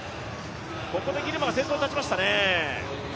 ここでギルマが先頭に立ちましたね。